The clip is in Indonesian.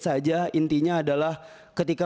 saja intinya adalah ketika